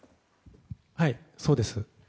はい、そうです。